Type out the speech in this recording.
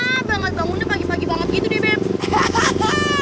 lama banget bangunnya pagi pagi banget gitu deh beb